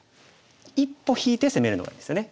一歩引いて攻めるのがいいんですよね。